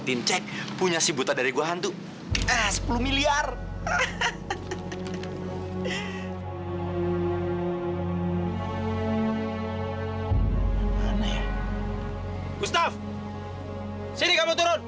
terima kasih pak